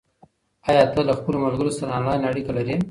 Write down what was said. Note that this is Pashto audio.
آیا ته له خپلو ملګرو سره آنلاین اړیکه لرې؟